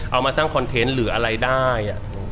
เอามาสร้างคอนเทนต์หรืออะไรได้